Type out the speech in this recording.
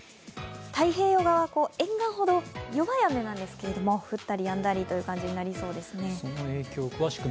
太平洋側、沿岸ほど弱い雨なんですけれども、降ったりやんだりという感じになりそうです。